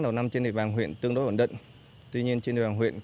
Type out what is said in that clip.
đáng chú ý